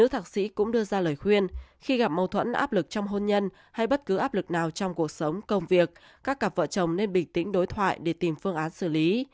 trong phần thảo luận áp lực trong hôn nhân hay bất cứ áp lực nào trong cuộc sống công việc các cặp vợ chồng nên bình tĩnh đối thoại để tìm phương án xử lý